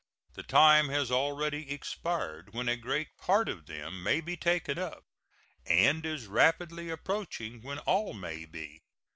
The time has already expired when a great part of them may be taken up, and is rapidly approaching when all may be.